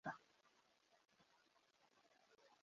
Aliamua kujiuzulu kutoka nafasi yake kama Katibu Mkuu wa Taifa.